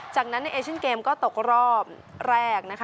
จากนั้นในเอชั่นเกมส์ก็ตกรอบแรก